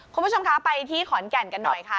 คุณผู้ชมคะไปที่ขอนแก่นกันหน่อยค่ะ